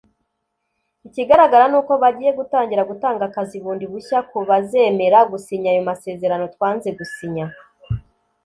Ikigaragara ni uko bagiye gutangira gutanga akazi bundi bushya ku bazemera gusinya ayo masezerano twanze gusinya